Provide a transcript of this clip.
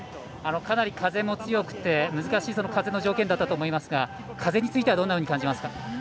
かなり風も強くて難しい風の条件だったと思いますが、風についてはどう感じましたか。